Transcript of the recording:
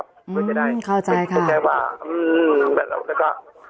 ผมก็เลยทำหนังสือขึ้นไปถามที่ที่ผู้ชนพร้อมกับล่าลายชื่อชาวบ้าน